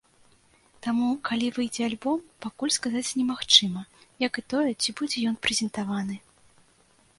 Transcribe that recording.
Таму, калі выйдзе альбом, пакуль сказаць немагчыма, як і тое, ці будзе ён прэзентаваны.